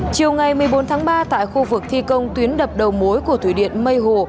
chiều ngày một mươi bốn tháng ba tại khu vực thi công tuyến đập đầu mối của thủy điện mây hồ